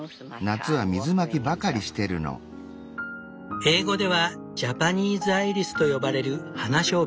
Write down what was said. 英語ではジャパニーズアイリスと呼ばれるハナショウブ。